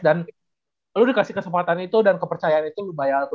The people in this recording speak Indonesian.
dan lu dikasih kesempatan itu dan kepercayaan itu lu bayar tuntas